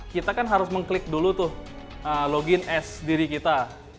kita kan harus mengklik dulu tuh login as diri kita